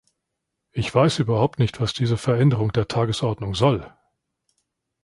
Ich weiß überhaupt nicht, was diese Veränderung der Tagesordnung soll!